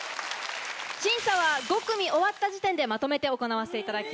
審査は５組終わった時点でまとめて行わせていただきます。